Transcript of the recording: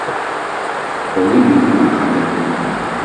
Ogi biguna jaten du.